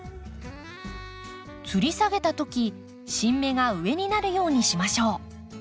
つり下げた時新芽が上になるようにしましょう。